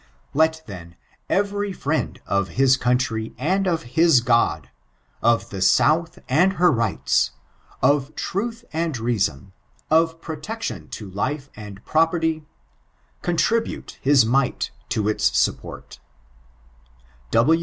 Let, then, every friend of his country and of his God, of the South and her rights, of truth and reason, of protection to life and property, contribute his mite to its sQpport.